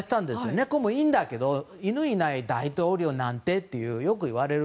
猫もいいんだけど犬がいない大統領なんてとよく言われる。